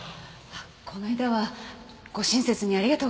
この間はご親切にありがとうございました。